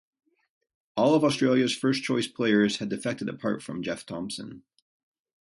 All of Australia's first-choice players had defected apart from Jeff Thomson.